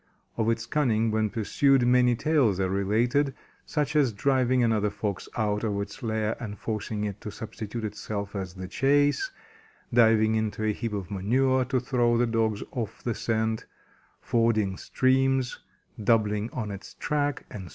Of its cunning when pursued, many tales are related, such as driving another Fox out of its lair and forcing it to substitute itself as the chase; diving into a heap of manure, to throw the dogs off the scent; fording streams, doubling on its track, and so forth.